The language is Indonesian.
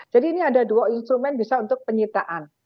jadi ini ada dua instrumen bisa untuk penyitaan